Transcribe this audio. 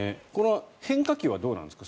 変化球はどうなんですか。